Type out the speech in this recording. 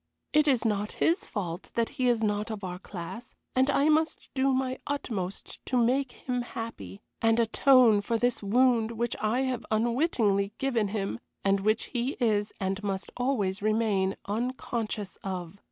It is not his fault that he is not of our class, and I must do my utmost to make him happy, and atone for this wound which I have unwittingly given him, and which he is, and must always remain, unconscious of.